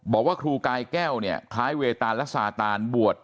บอกว่าครูกายแก้วเนี่ยคล้ายเวตานและสาตานบวช